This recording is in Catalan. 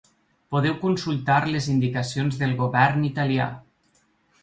Podeu consultar les indicacions del govern italià.